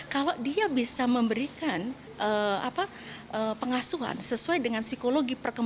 kalau dia bisa memberikan pengasuhan sesuai dengan psikologi perkembangan